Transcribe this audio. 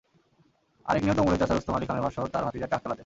আরেক নিহত ওমরের চাচা রুস্তম আলী খানের ভাষ্য, তাঁর ভাতিজা ট্রাক চালাতেন।